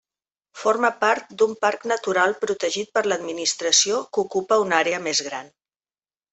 Forma part d'un parc natural protegit per l'administració que ocupa una àrea més gran.